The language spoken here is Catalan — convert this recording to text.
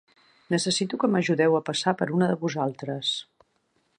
Necessito que m'ajudeu a passar per una de vosaltres.